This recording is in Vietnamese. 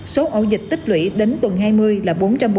số ổ dịch tích lũy đến tuần hai mươi là bốn trăm bốn mươi